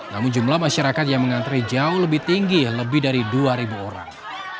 namun jumlah masyarakat yang mengantre jauh lebih tinggi lebih dari dua orang